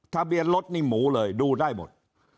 ทะเบียนรถนี่หมูเลยดูได้หมด